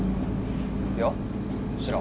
いや知らん。